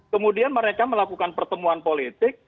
kemudian mereka melakukan pertemuan politik